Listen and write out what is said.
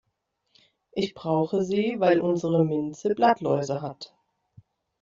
Ich brauche sie, weil unsere Minze Blattläuse hat.